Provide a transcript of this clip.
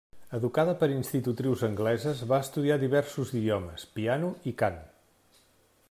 Educada per institutrius angleses, va estudiar diversos idiomes, piano i cant.